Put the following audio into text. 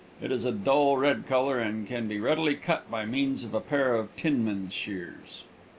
It is a dull red color, and can be readily cut by means of a pair of tinman's shears.